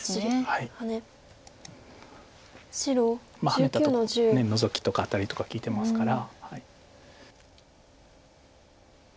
ハネたとこノゾキとかアタリとか利いてますから。